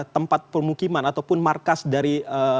tempat permukiman ataupun markas dari